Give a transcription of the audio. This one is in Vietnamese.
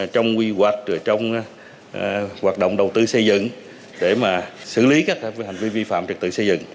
trong quy hoạch trong hoạt động đầu tư xây dựng để mà xử lý các hành vi vi phạm trật tự xây dựng